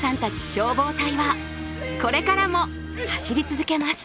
消防隊はこれからも走り続けます